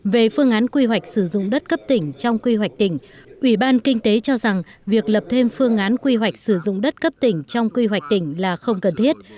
về phương án quy hoạch sử dụng đất cấp tỉnh trong quy hoạch tỉnh ủy ban kinh tế cho rằng việc lập thêm phương án quy hoạch sử dụng đất cấp tỉnh trong quy hoạch tỉnh là không cần thiết